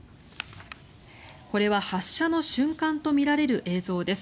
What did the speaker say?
これは発射の瞬間とみられる映像です。